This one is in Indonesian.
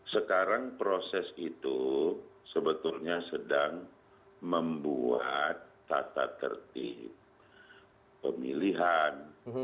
sekarang proses itu sebetulnya sedang membuat tata tertib pemilihan